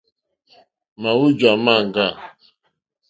Màwújà máŋɡâ.